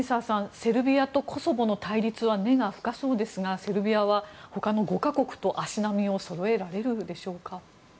セルビアとコソボの対立は根が深そうですがセルビアは他の５か国と足並みをそろえられるんでしょうか。